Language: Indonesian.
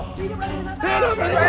tidak tidak tidak